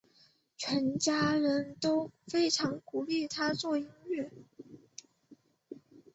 全家人都非常鼓励他做音乐。